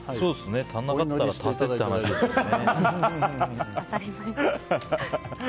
足らなかったら足せって話ですね。